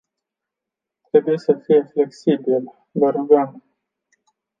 Trebuie să fie flexibil, vă rugăm!